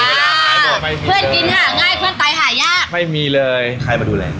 เพื่อนกินหาง่ายเพื่อนตายหายากไม่มีเลยใครมาดูแล